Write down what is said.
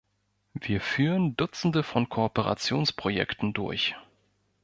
Wir führen Dutzende von Kooperationsprojekten durch.